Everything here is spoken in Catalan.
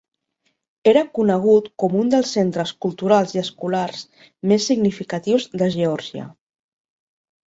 Era conegut com un dels centres culturals i escolars més significatius de Georgia.